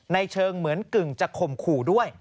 ในเชิงเหมือนกึ่งจะข่มขู่ด้วย